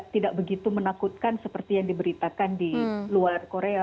tidak begitu menakutkan seperti yang diberitakan di luar korea